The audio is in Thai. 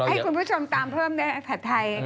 ให้คุณผู้ชมตามเพิ่มด้วยผัดไทย